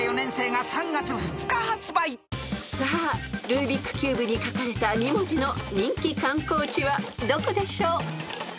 ［さあルービックキューブに書かれた２文字の人気観光地はどこでしょう？］